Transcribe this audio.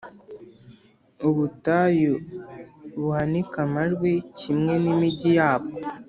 Ubutayu buhanike amajwi, kimwe n’imigi yabwo,